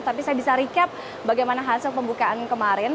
tapi saya bisa recap bagaimana hasil pembukaan kemarin